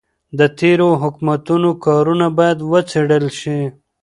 د تېرو حکومتونو کارونه باید وڅیړل شي.